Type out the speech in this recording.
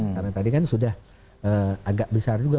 karena tadi kan sudah agak besar juga